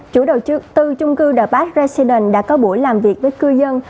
chủ đầu tư trung cư the park residence đã có buổi làm việc với cư dân